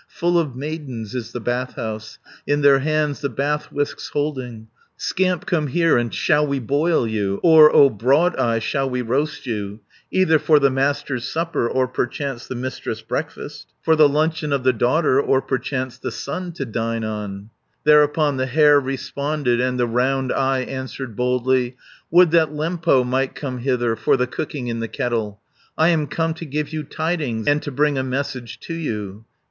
Full of maidens is the bath house, In their hands the bath whisks holding. "Scamp, come here; and shall we boil you, Or, O Broad eye, shall we roast you, Either for the master's supper, Or perchance the mistress' breakfast, For the luncheon of the daughter, Or perchance the son to dine on?" 420 Thereupon the hare responded, And the Round eye answered boldly, "Would that Lempo might come hither For the cooking in the kettle! I am come to give you tidings, And to bring a message to you.